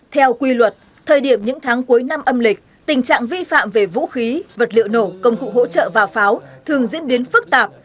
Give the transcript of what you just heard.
theo quy luật thời điểm những tháng cuối năm âm lịch tình trạng vi phạm về vũ khí vật liệu nổ công cụ hỗ trợ và pháo thường diễn biến phức tạp